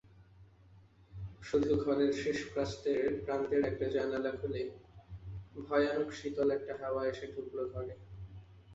শুধু ঘরের শেষ প্রাস্তের একটা জানালা খুলে ভয়ানক শীতল একটা হাওয়া এসে ঢুকল ঘরে।